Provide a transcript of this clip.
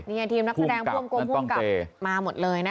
นี่ไงทีมนักแสดงพ่วงกลมภูมิกับมาหมดเลยนะคะ